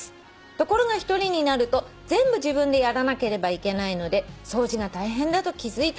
ところが１人になると全部自分でやらなければいけないので掃除が大変だと気付いたのです。